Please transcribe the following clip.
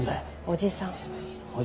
おじさん？